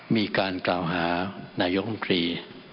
มีการกล่าวหานายกรรมตรี